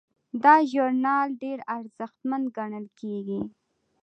دا ژورنال ډیر ارزښتمن ګڼل کیږي.